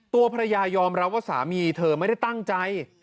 ตัวภรรยายอมรับว่าสามีเธอไม่ได้ตั้งใจ